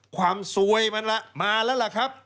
ความสวยมันมาแล้วครับ